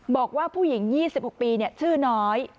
บอกว่าผู้หญิง๒๖ปีชื่อน้อย